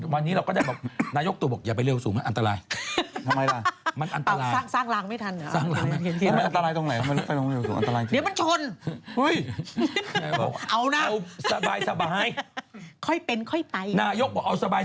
วันนี้เราก็ได้บอกนายกตู่บอกอย่าไปเร็วสูงมันอันตราย